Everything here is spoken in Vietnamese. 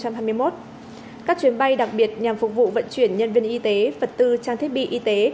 các chuyến bay đặc biệt nhằm phục vụ vận chuyển nhân viên y tế vật tư trang thiết bị y tế